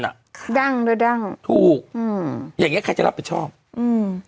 อ่ะดั้งโดยดั้งถูกอืมอย่างเงี้ใครจะรับผิดชอบอืม